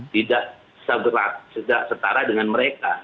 tidak setara dengan mereka